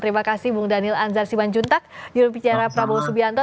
terima kasih bu daniel anzar siman juntag jurubicara prabowo subianto